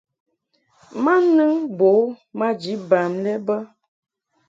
Ma nɨŋ bo u maji bam lɛ bə.